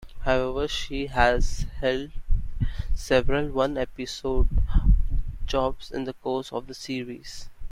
However, she has held several one-episode jobs in the course of the series.